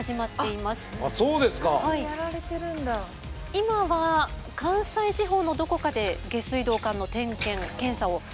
今は関西地方のどこかで下水道管の点検・検査をしているという。